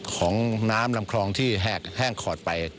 ของน้ำลำคลองที่แหกแห้งขอดไป